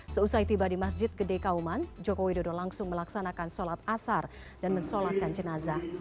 seusai tiba di masjid gede kauman joko widodo langsung melaksanakan sholat asar dan mensolatkan jenazah